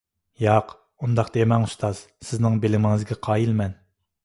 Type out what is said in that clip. ياق، ئۇنداق دېمەڭ ئۇستاز، سىزنىڭ بىلىمىڭىزگە قايىل مەن!